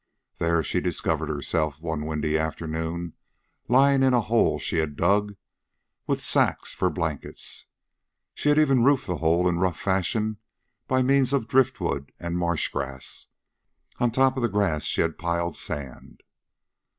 There she discovered herself, one windy afternoon, lying in a hole she had dug, with sacks for blankets. She had even roofed the hole in rough fashion by means of drift wood and marsh grass. On top of the grass she had piled sand.